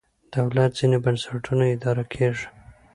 دولت ځینې بنسټونه اداره کېږي.